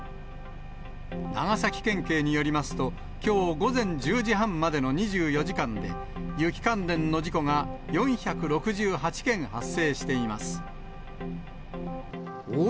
長崎県警によりますと、きょう午前１０時半までの２４時間で、雪関連の事故が４６８件発生しています。